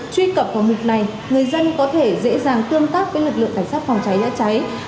truy cập vào mục này người dân có thể dễ dàng tương tác với lực lượng cảnh sát phòng cháy chữa cháy